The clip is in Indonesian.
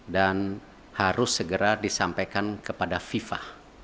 dan harus segera disampaikan kepada viva